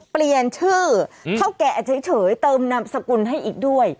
เปลี่ยนชื่อเท่าแก่เฉยเติมนามสกุลให้อีกด้วย